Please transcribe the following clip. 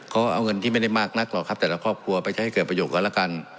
เขาเอาเงินที่ไม่ได้มากนักหรอกครับแต่ละครอบครัวไปใช้ให้เกิดประโยชนกันแล้วกัน